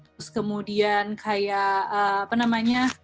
terus kemudian kayak apa namanya